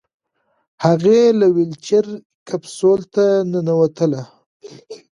هغې له ویلچیر کپسول ته ننوتله.